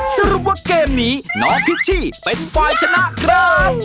สรุปว่าเกมนี้น้องพิชชี่เป็นฝ่ายชนะครับ